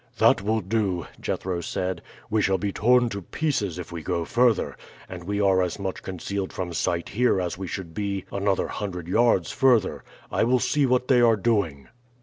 "That will do," Jethro said. "We shall be torn to pieces if we go further; and we are as much concealed from sight here as we should be another hundred yards further. I will see what they are doing."